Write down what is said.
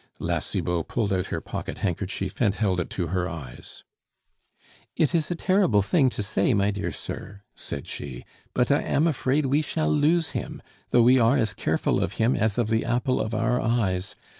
La Cibot pulled out her pocket handkerchief and held it to her eyes. "It is a terrible thing to say, my dear sir," said she; "but I am afraid we shall lose him, though we are as careful of him as of the apple of our eyes.